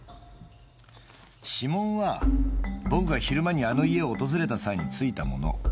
指紋は僕が昼間にあの家を訪れた際についたもの。